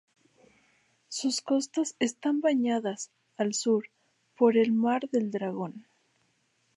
Sus costas están bañadas, al sur, por el Mar del Dragón.